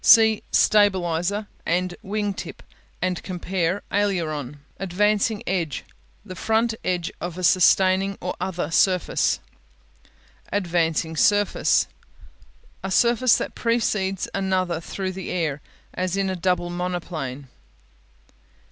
See "Stabilizer'" and "Wing tip" and compare "Aileron." Advancing Edge The front edge of a sustaining or other surface. Advancing Surface A surface that precedes another through the air, as in a double monoplane.